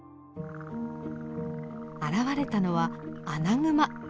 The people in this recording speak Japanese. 現れたのはアナグマ。